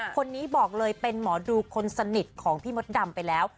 คนนี้บอกเลยเป็นหมอดูคนสนิทของพี่มดดำไปแล้ว